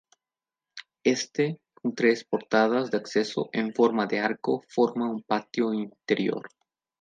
Este, con tres portadas de acceso en forma de arco, forma un patio interior.